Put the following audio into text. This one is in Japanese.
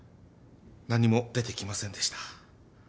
何も出てきませんでした。